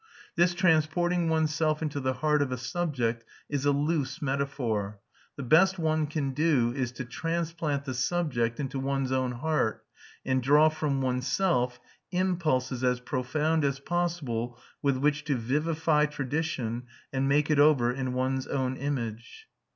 This transporting oneself into the heart of a subject is a loose metaphor: the best one can do is to transplant the subject into one's own heart and draw from oneself impulses as profound as possible with which to vivify tradition and make it over in one's own image.